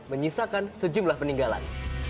jawa menyesakan sejumlah peninggalan